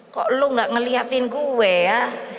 kok lo gak ngeliatin gue ya